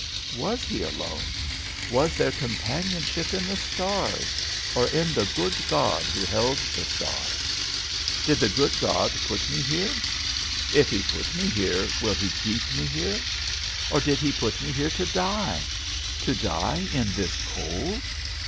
Was he alone? Was there companionship in the stars, or in the good God who held the stars? Did the good God put me here? If he put me here, will he keep me here? Or did he put me here to die! To die in this cold?